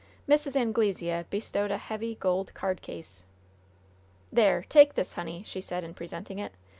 Mrs. Anglesea bestowed a heavy, gold cardcase. "There! Take this, honey," she said, in presenting it.